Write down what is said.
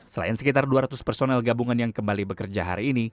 selain sekitar dua ratus personel gabungan yang kembali bekerja hari ini